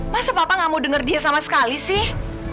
masa papa gak mau denger dia sama sekali sih